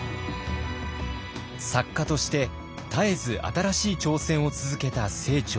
作家として絶えず新しい挑戦を続けた清張。